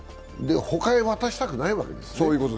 他へ渡したくないわけですね？